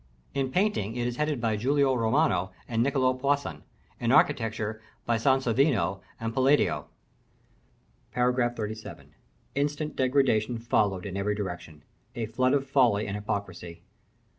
In Painting it is headed by Giulio Romano and Nicolo Poussin; in Architecture by Sansovino and Palladio. § XXXVII. Instant degradation followed in every direction, a flood of folly and hypocrisy.